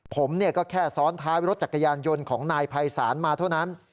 ผมก็แค่ซ้อนท้ายรถจักรยานยนต์ของนายภัยศาลมาเท่านั้น